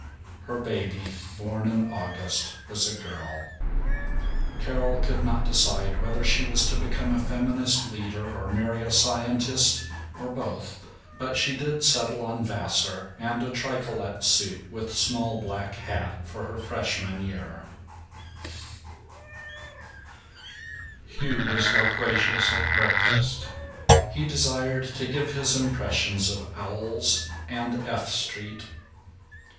Her baby, born in August, was a girl. Carol could not decide whether she was to become a feminist leader or marry a scientist or both, but did settle on Vassar and a tricolette suit with a small black hat for her Freshman year. VI Hugh was loquacious at breakfast. He desired to give his impressions of owls and F Street.